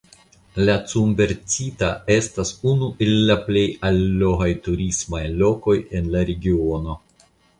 La Cumbrecita estas unu el la plej allogaj turismaj lokoj en la regiono.